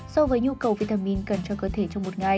so với nhu cầu vitamin cần cho cơ thể trong một ngày